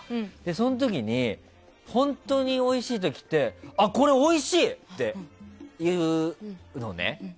その時に、本当においしい時ってこれ、おいしい！って言うのね。